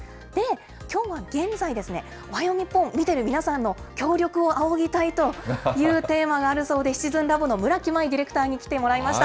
きょうは現在ですね、おはよう日本を見てる皆さんの協力をあおぎたいというテーマがあるそうで、シチズンラボの村木麻衣ディレクターに来てもらいました。